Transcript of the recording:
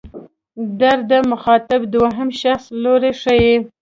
در د مخاطب دویم شخص لوری ښيي.